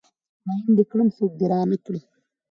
ميين د کړم سوک د رانه کړ